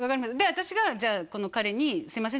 私がじゃあこの彼にすいません